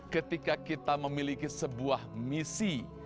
ketika kita memiliki sebuah misi